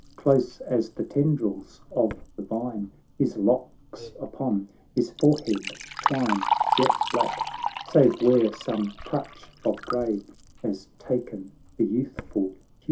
Close as the tendrils of the vine His locks upon his forehead twine, Jet black, save where some touch of grey Has ta'en the youthful hue away.